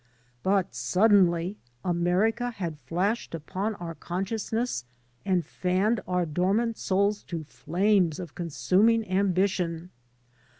But suddenly America had flashed upon our consciousness and fanned our dormant souls to flames of consuming ambition.